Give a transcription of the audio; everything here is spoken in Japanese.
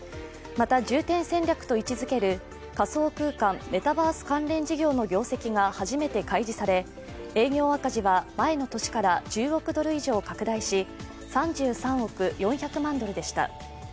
また、重点戦略と位置づける仮想空間メタバース関連事業の業績が初めて開示され、営業赤字は前の年から１０億ドル以上拡大し、３３億４００万ドルでした。